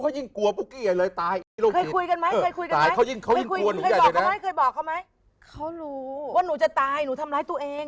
เขานรู้ว่าหนูจะตายหนูทำร้ายตัวเอง